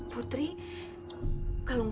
putri kalung kamu bagus ya